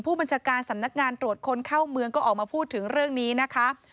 ผู้บัญชาการสำนักงานตรวจคนเข้าเมืองก็ออกมาพูดถึงเรื่องนี้นะคะ